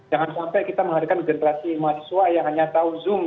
jangan sampai kita menghadirkan generasi mahasiswa yang hanya tahu zoom